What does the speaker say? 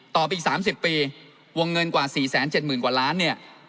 ต่อไปอีก๓๐ปีวงเงินกว่า๔๗๐๐๐๐กว่าร้าน